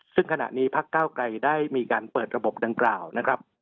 ซึ่งขณะนี้พักเก้าไกรได้มีการเปิดระบบดังกล่าวนะครับ